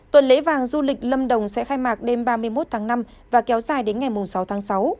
tuần lễ vàng du lịch lâm đồng sẽ khai mạc đêm ba mươi một tháng năm và kéo dài đến ngày sáu tháng sáu